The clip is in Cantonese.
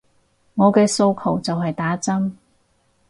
我嘅訴求就係打針